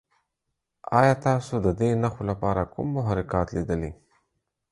ایا تاسو د دې نښو لپاره کوم محرکات لیدلي؟